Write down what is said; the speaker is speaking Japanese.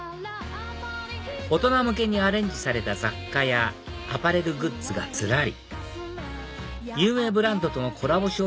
ＧＢＬ大人向けにアレンジされた雑貨やアパレルグッズがずらり有名ブランドとのコラボ